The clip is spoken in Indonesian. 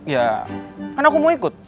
ya kan aku mau ikut